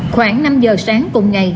khoảng năm giờ sáng cùng ngày